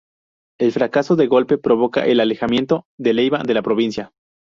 El fracaso del golpe provoca el alejamiento de Leiva de la provincia.